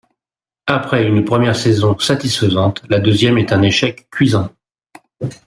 Après une première saison satisfaisante, la deuxième est un échec cuisant.